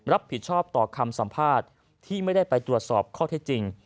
รับผิดชอบต่อคำสัมภาษณ์ที่ไม่ได้ไปตรวจสอบข้อเท็จจริง